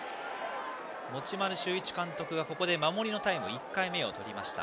持丸修一監督が守りのタイム１回目をとりました。